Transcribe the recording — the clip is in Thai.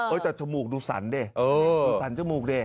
แต่จมูกดูสันดิดูสันจมูกดิ